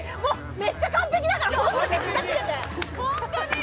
めっちゃ完璧だから、ホントめっちゃキレて。